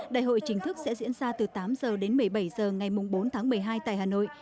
đại hội chính thức sẽ diễn ra từ tám h đến một mươi bảy h ngày bốn tháng một mươi hai tại hà nội